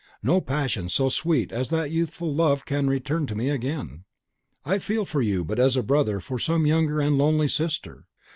No passion so sweet as that youthful love can return to me again. I feel for you but as a brother for some younger and lonely sister.